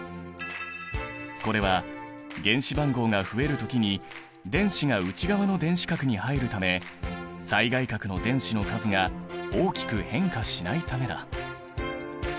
これは原子番号が増える時に電子が内側の電子殻に入るため最外殻の電子の数が大きく変化しないためだ。